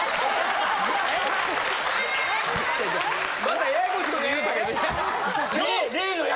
またややこしいこと言うたけどいや。